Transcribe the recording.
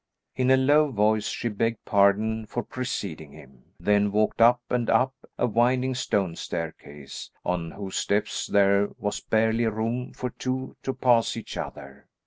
In a low voice she begged pardon for preceding him. Then walked up and up a winding stone staircase, on whose steps there was barely room for two to pass each other.